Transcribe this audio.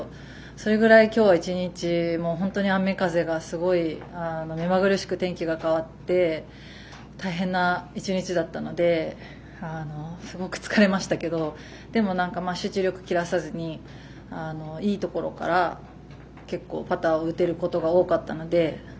それぐらい今日１日本当に雨風がすごい目まぐるしく天気が変わって大変な１日だったのですごく疲れましたけど集中力切らさずにいいところから結構パターを打てることが多かったので。